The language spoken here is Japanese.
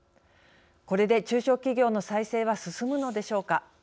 これで、中小企業の再生は進むのでしょうか。